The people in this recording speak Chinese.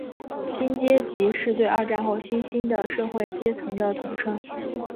新阶级是对二战后新兴的社会阶层的统称。